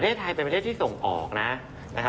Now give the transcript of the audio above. ประเทศไทยเป็นประเทศที่ส่งออกนะ